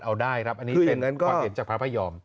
เอาได้ครับอันนี้เป็นความเห็นจากพระพยอม